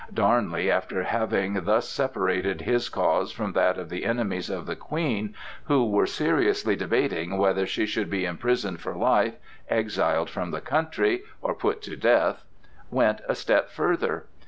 Darnley, after having thus separated his cause from that of the enemies of the Queen,—who were seriously debating whether she should be imprisoned for life, exiled from the country, or put to death,—went a step further.